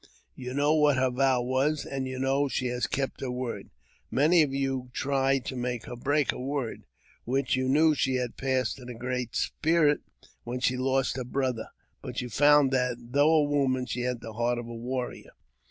You know what her vow was, and you know she has kept her word. Many of you have tried to make her break her word, which you knew she had passed to the Great Spirit when she lost her I JAMES P. BECKWOUBTH. 331 brother. But you found that, though a woman, she had the heart of a warrior.